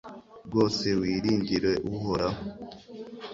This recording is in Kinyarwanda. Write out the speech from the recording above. rwose, wiringire uhoraho